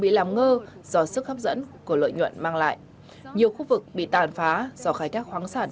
bị làm ngơ do sức hấp dẫn của lợi nhuận mang lại nhiều khu vực bị tàn phá do khai thác khoáng sản